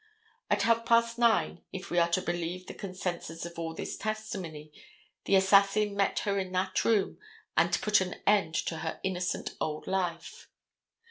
At half past nine, if we are to believe the consensus of all this testimony, the assassin met her in that room and put an end to her innocent old life.